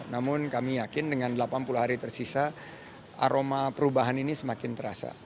namun kami yakin dengan delapan puluh hari tersisa aroma perubahan ini semakin terasa